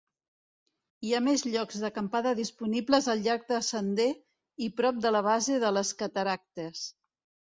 Hi ha més llocs d'acampada disponibles al llarg del sender i prop de la base de les cataractes.